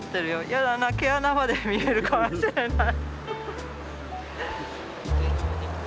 やだな毛穴まで見えるかもしれない。